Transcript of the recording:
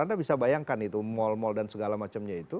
anda bisa bayangkan itu mal mal dan segala macamnya itu